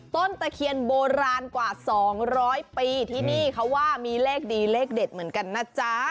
ตะเคียนโบราณกว่า๒๐๐ปีที่นี่เขาว่ามีเลขดีเลขเด็ดเหมือนกันนะจ๊ะ